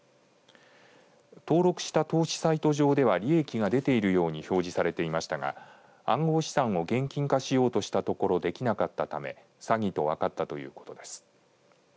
登録した投資サイト上では利益が出ているように表示されていましたが暗号資産を現金化しようとしたところできなかったため詐欺と分かったということです。